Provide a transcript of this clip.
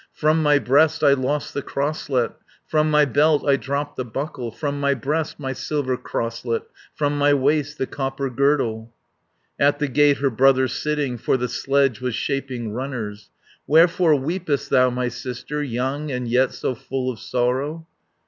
From my breast I lost the crosslet, From my belt I dropped the buckle, From my breast my silver crosslet, From my waist the copper girdle." 50 At the gate, her brother sitting, For the sledge was shaping runners. "Wherefore weepest thou, my sister, Young, and yet so full of sorrow?"